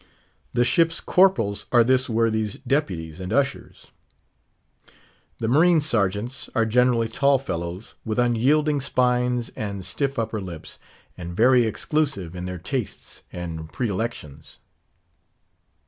The ship's corporals are this worthy's deputies and ushers. The marine sergeants are generally tall fellows with unyielding spines and stiff upper lips, and very exclusive in their tastes and predilections.